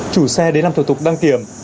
chủ xe đến làm thủ tục đăng kiểm